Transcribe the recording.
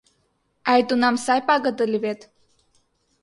Ай, тунам сай пагыт ыле вет?